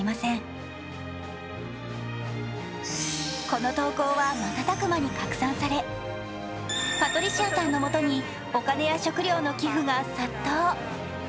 この投稿は瞬く間に拡散されパトリシアさんの元にお金や食料の寄付が殺到。